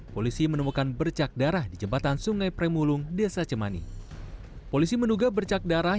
polisi menduga karena di sini ada bercak darah